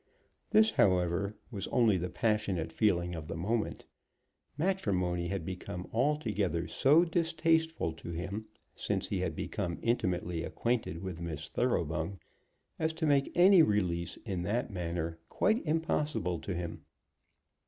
This, however, was only the passionate feeling of the moment. Matrimony had become altogether so distasteful to him, since he had become intimately acquainted with Miss Thoroughbung, as to make any release in that manner quite impossible to him.